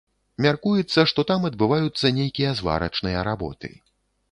Мяркуецца, што там адбываюцца нейкія зварачныя работы.